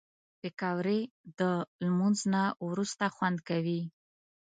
پکورې د لمونځ نه وروسته خوند کوي